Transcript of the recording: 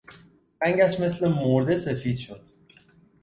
رنگش مثل مرده سفید شد.